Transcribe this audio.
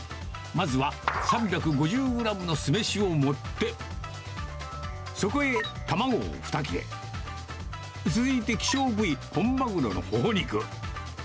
まずは３５０グラムの酢飯を盛って、そこへ卵を２切れ、続いて希少部位、本マグロのほほ肉。